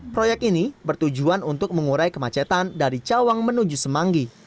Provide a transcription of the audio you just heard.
proyek ini bertujuan untuk mengurai kemacetan dari cawang menuju semanggi